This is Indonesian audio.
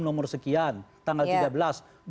nomor sekian tanggal tiga belas